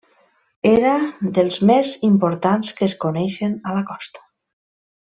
Era dels més importants que es coneixen a la costa.